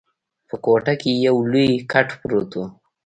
په کوټه کي یو لوی کټ پروت وو.